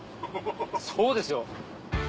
そうですよ。